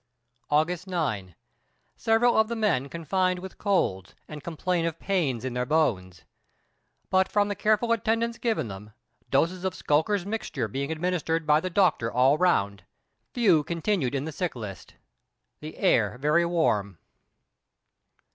August 9. Several of the men confined with colds, and complain of pains in their bones. But from the careful attendance given them, doses of "Skulker's Mixture" being administered by the doctor all round, few continued in the sick list. The air very warm.